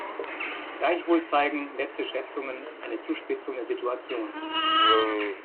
Gleichwohl zeigen letzte Schätzungen eine Zuspitzung der Situation.